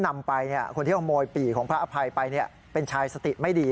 หายละหายไปเมื่อปี๖๐